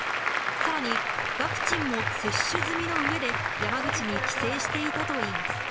さらに、ワクチンも接種済みのうえで、山口に帰省していたといいます。